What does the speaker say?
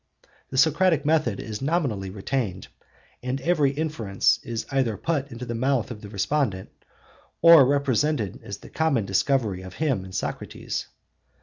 The Socratic method is nominally retained; and every inference is either put into the mouth of the respondent or represented as the common discovery of him and Socrates.